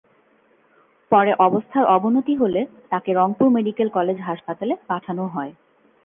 পরে অবস্থার অবনতি হলে তাঁকে রংপুর মেডিকেল কলেজ হাসপাতালে পাঠানো হয়।